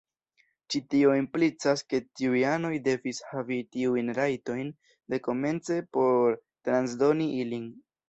Ĉi tio implicas ke tiuj anoj devis havi tiujn rajtojn dekomence por transdoni ilin.